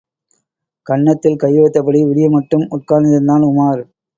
கன்னத்தில் கைவைத்தபடி விடியுமட்டும் உட்கார்ந்திருந்தான் உமார்.